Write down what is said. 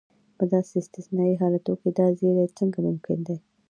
په داسې استثنایي حالتو کې دا زیری څنګه ممکن دی.